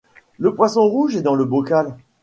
le poisson rouge est dans le bocal